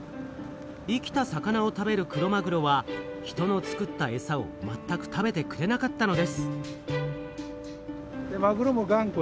生きた魚を食べるクロマグロは人の作ったエサを全く食べてくれなかったのです。